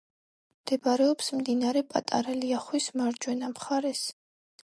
მდებარეობს მდინარე პატარა ლიახვის მარჯვენა მხარეს.